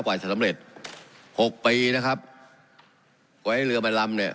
กว่าจะสำเร็จหกปีนะครับไว้เรือมาลำเนี่ย